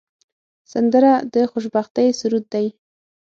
سندره د خوشبختۍ سرود دی